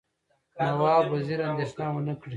نواب وزیر اندېښنه ونه کړي.